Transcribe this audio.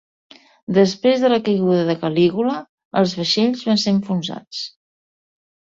Després de la caiguda de Calígula, els vaixells van ser enfonsats.